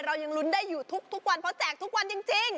เรายังลุ้นได้อยู่ทุกวันเพราะแจกทุกวันจริง